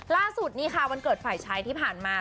ล่าสุดนี่ค่ะวันเกิดฝ่ายชายที่ผ่านมา